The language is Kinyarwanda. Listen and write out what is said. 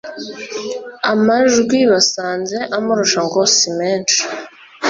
amajwi basanze amurusha ngo simenshi